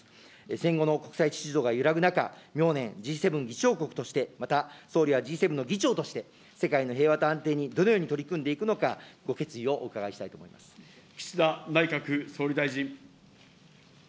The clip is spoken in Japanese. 戦後の国際秩序が揺らぐ中、明年、Ｇ７議長国として、また、総理はＧ７の議長として、世界の平和と安定にどのように取り組んでいくのか、ご決意をお伺岸田内閣総理大臣。